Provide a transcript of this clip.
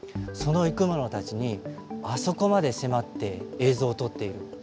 その生き物たちにあそこまで迫って映像を撮っている。